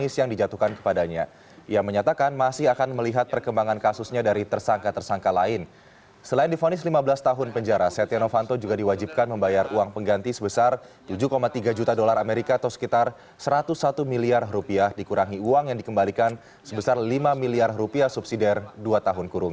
setia novanto menanggung pengacara tersebut